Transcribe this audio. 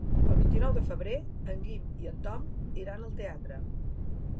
El vint-i-nou de febrer en Guim i en Tom iran al teatre.